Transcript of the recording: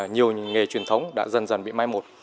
nhiều nghề truyền thống đã dần dần bị mai một